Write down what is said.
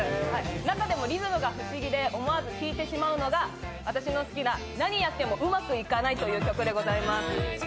中でもリズムが不思議で思わず聴いてしまうのが、私の好きな「なにやってもうまくいかない」という曲でございます。